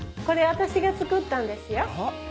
これ私が作ったんですよ。